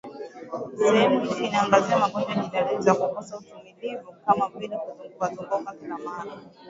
Sehemu hii inaangazia magonjwa yenye dalili za kukosa utulivu kama vile kuzungukazunguka kila mara